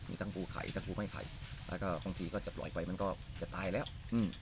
มีทั้งภูไข่ทั้งภูไหม้ไข่แล้วก็บางทีก็จะปล่อยไปมันก็จะตายแล้วอืม